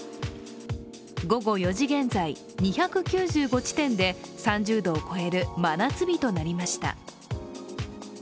午後４時現在、２９５地点で３０度を超える真夏日となりました。